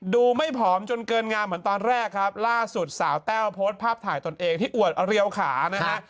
ดูไม่ผอมจนเกินงามเหมือนตอนแรกครับล่าสุดสาวแต้วโพสต์ภาพถ่ายตนเองที่อวดเรียวขานะฮะ